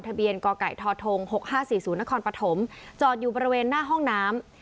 ทะเบียนกไก่ทธ๖๕๔๐นครปฐมจอดอยู่บริเวณหน้าห้องน้ำ